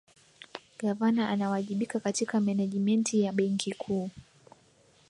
gavana anawajibika katika menejimenti ya benki kuu